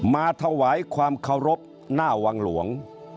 มาถวายความเคารพหน้าวังหลวง